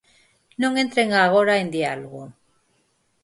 Non entren agora en diálogo.